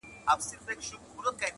زه د سر په بدله ترې بوسه غواړم-